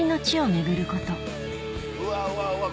うわうわうわ